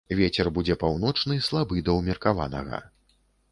Вецер будзе паўночны, слабы да ўмеркаванага.